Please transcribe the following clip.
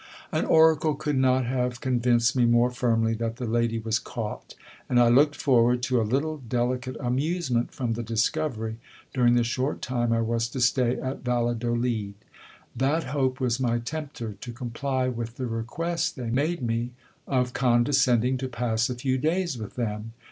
An oracle could not have GIL BLAS TRICKED OUT OF HIS RIXG. 35 j convinced me more firmly that the lady was caught ; and I looked forward to a little delicate amusement from the discovery, during the short time I was to stay at Valladolid. That hope was my tempter to comply with the request they made me, of condescending to pass a few days with them.